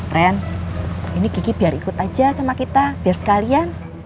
ren ini gigi biar ikut aja sama kita biar sekalian